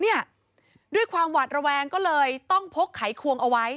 ด้วยความหวาดระแวงก็เลยต้องพกไขควงเอาไว้